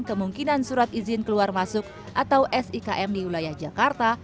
kemungkinan surat izin keluar masuk atau sikm di wilayah jakarta